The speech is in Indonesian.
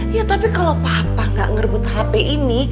ya tapi kalau papa gak ngerebut hp ini